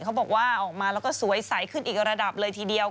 เขาบอกว่าออกมาแล้วก็สวยใสขึ้นอีกระดับเลยทีเดียว